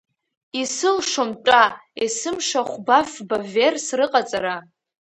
Исылшом-тәа есымша хәба-фба верс рыҟаҵара!